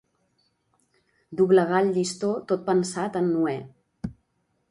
Doblegar el llistó tot pensat en Noè.